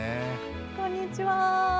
こんにちは。